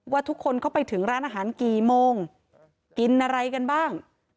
ว่าทุกคนเข้าไปถึงร้านอาหารกี่โมงกินอะไรกันบ้าง